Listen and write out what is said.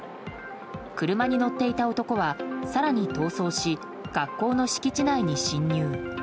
車に乗っていた男は更に逃走し、学校の敷地内に侵入。